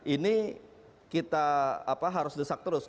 ini kita harus desak terus